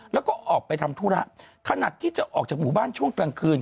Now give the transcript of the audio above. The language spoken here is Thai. แล้วก็ออกไปทำธุระขนาดที่จะออกจากหมู่บ้านช่วงกลางคืน